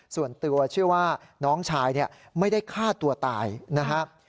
ส่วนตัวเชื่อว่าน้องชายไม่ได้ฆ่าตัวตายนะครับ